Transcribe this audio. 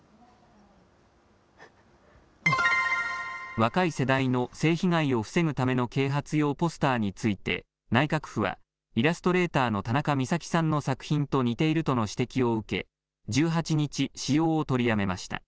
若い世代の性被害を防ぐための啓発用ポスターについて、内閣府は、イラストレーターのたなかみさきさんの作品と似ているとの指摘を受け、１８日、使用を取りやめました。